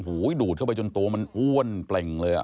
โอ้โหดูดเข้าไปจนตัวมันอ้วนเปล่งเลย